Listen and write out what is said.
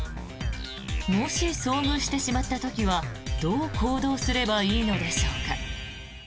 もし遭遇してしまった時はどう行動すればいいのでしょうか。